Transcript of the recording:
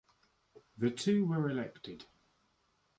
The two were elected.